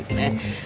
udah lama ya